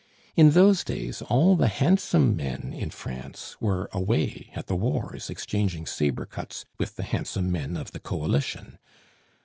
In those days, all the handsome men in France were away at the wars exchanging sabre cuts with the handsome men of the Coalition.